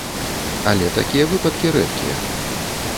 Але такія выпадкі рэдкія.